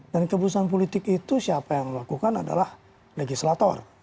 dan keputusan politik itu siapa yang melakukan adalah legislator